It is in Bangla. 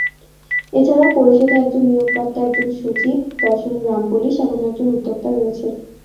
এছাড়াও পরিষদে একজন নিয়োগপ্রাপ্ত একজন সচিব, দশজন গ্রাম পুলিশ এবং একজন উদ্যোক্তা রয়েছে।